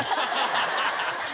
ハハハハ！